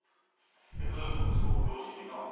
江戸屋の息子を養子にな。